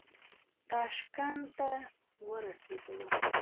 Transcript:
تاشکند ته ورسېدلو.